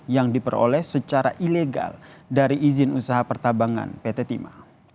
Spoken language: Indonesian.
yang diperoleh secara ilegal dari izin usaha pertambangan pt timah